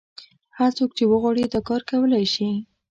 هر څوک چې وغواړي دا کار کولای شي.